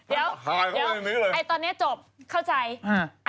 เดี๋ยวแต่ตอนนี้จบเข้าใจห้ะ